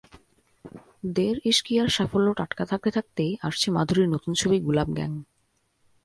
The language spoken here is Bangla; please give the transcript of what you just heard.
দেড় ইশকিয়ার সাফল্য টাটকা থাকতে থাকতেই আসছে মাধুরীর নতুন ছবি গুলাব গ্যাং।